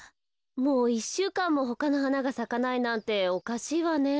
もう１しゅうかんもほかのはながさかないなんておかしいわね。